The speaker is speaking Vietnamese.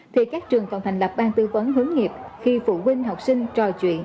thì các trường còn thành lập ban tư vấn hướng nghiệp khi phụ huynh học sinh trò chuyện